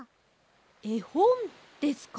えほんですか？